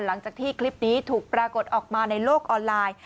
หลังจากที่คลิปนี้ถูกปรากฏออกมาในโลกออนไลน์